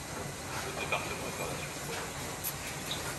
Le département est par la suite renommé.